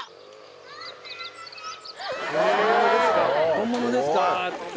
「本物ですか？」